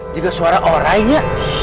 juga suara orainya